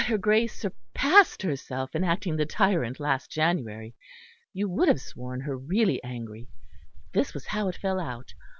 "But her Grace surpassed herself in acting the tyrant last January; you would have sworn her really angry. This was how it fell out.